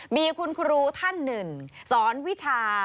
มีคุณครูท่านหนึ่งสอนวิชา